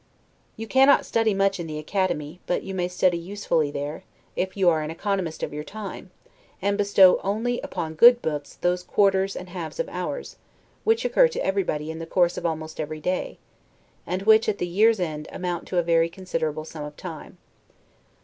You cannot study much in the Academy; but you may study usefully there, if you are an economist of your time, and bestow only upon good books those quarters and halves of hours, which occur to everybody in the course of almost every day; and which, at the year's end, amount to a very considerable sum of time.